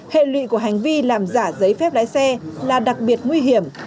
hệ lụy của hành vi làm giả giấy phép lái xe là đặc biệt nguy hiểm